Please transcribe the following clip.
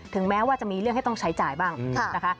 แม้ว่าจะมีเรื่องให้ต้องใช้จ่ายบ้างนะคะ